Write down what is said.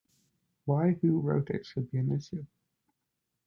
Why who wrote it should be an issue?